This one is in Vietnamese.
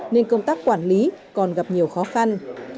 nên công tác quản lý còn gặp nhiều khó khăn